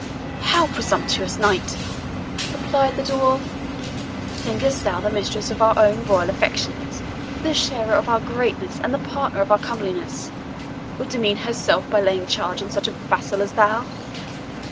"How! presumptuous Knight," replied the dwarf, "think'st thou the mistress of our own royal affections, the sharer of our greatness, and the partner of our comeliness, would demean herself by laying charge on such a vassal as thou?